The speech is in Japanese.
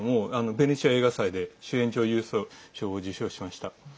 ベネチア映画祭で主演女優賞を受賞しました。